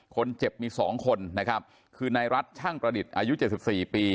คนเจ็บมี๒คนนะครับคือนายรัฐช่างประดิษฐ์อายุ๗๔ปี